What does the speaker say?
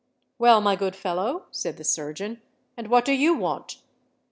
"Well, my good fellow," said the surgeon; "and what do you want?"